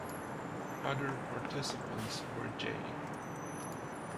Other participants were J.